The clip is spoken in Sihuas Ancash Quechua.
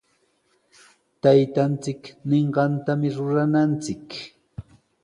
Taytanchik ninqantami rurananchik.